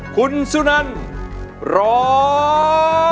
คุณสุนันร้อง